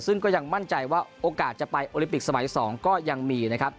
ซึ่งก็ยังมั่นใจว่าโอกาสจะไปโอลิมปิกสมัย๒ก็ยังมีนะครับ